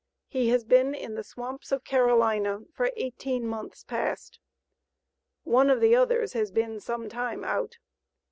He has been in the swamps of Carolina for eighteen months past. One of the others has been some time out.